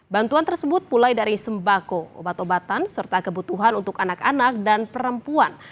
bantuan tersebut mulai dari sembako obat obatan serta kebutuhan untuk anak anak dan perempuan